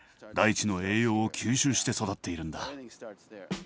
大地の栄養を吸収して育っているんだ。